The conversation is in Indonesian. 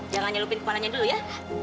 jangan nyelupin kepalanya dulu ya